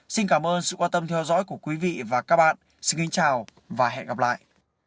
xin cảm ơn sự quan tâm theo dõi của quý vị và các bạn xin kính chào và hẹn gặp lại